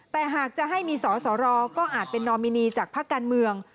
แต่หากจะให้มีสอสอรอก็อาจเป็นนอมินีจากภาคการเมือง